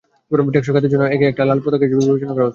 টেকসই খাতের জন্য একে একটা লাল পতাকা হিসেবে বিবেচনা করা হচ্ছে।